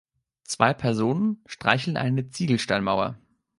Zwei Personen streichen eine Ziegelsteinmauer.